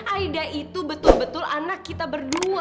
aida itu betul betul anak kita berdua